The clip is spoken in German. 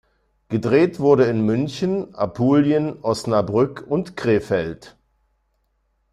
Gedreht wurde in München, Apulien, Osnabrück und Krefeld.